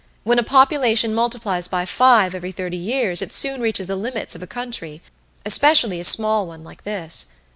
When a population multiplies by five every thirty years it soon reaches the limits of a country, especially a small one like this.